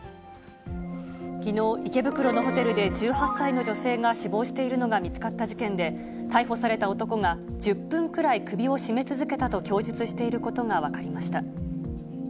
きのう、池袋のホテルで１８歳の女性が死亡しているのが見つかった事件で、逮捕された男が、１０分くらい首を絞め続けたと供述していることが分かりました。